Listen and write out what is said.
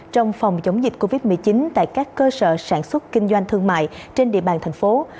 trong phòng chống dịch covid một mươi chín tại các cơ sở sản xuất kinh doanh thương mại trên địa bàn thành phố